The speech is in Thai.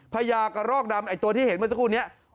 พญากระรอกดำไอ้ตัวที่เห็นเมื่อสักครู่นี้